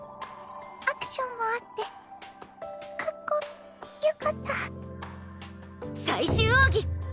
アクションもあってかっこよかった。